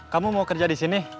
kamu mau kerja di sini